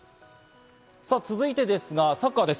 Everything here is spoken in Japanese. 続いてですが、サッカーです。